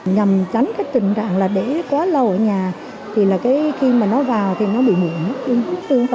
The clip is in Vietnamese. nhằm đánh cái tình trạng là để quá lâu ở nhà thì khi mà nó vào thì nó bị muộn